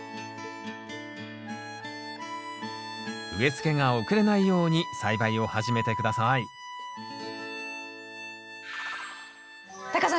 植え付けが遅れないように栽培を始めて下さいタカさん